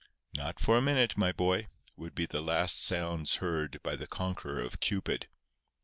"Not for a minute, my boy," would be the last sounds heard by the conqueror of Cupid.